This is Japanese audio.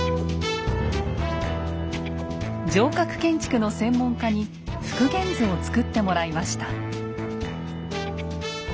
城郭建築の専門家に復元図を作ってもらいました。